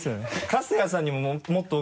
春日さんに？